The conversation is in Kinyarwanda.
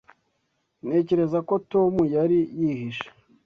Ntekereza ko Tom yari yihishe.